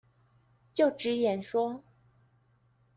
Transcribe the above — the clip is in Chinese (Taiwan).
就職演說